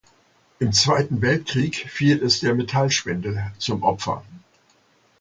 Im Zweiten Weltkrieg fiel es der Metallspende zum Opfer.